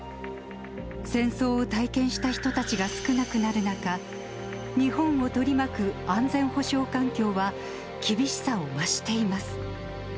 戦争を体験した人たちが少なくなる中、日本を取り巻く安全保障環境は厳しさを増しています。